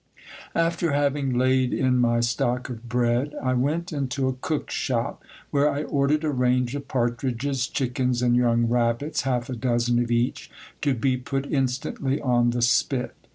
After having laid in my stock of bread, I went into a cook's shop, where I ordered a range of partridges, chickens, and young rabbits, half a dozen of each, to be put instantly on the spit.